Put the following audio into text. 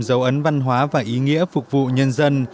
dấu ấn văn hóa và ý nghĩa phục vụ nhân dân